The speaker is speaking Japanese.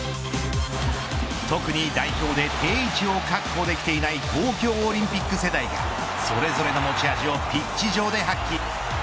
特に代表で定位置を確保できていない東京オリンピック世代それぞれの持ち味をピッチ上で発揮。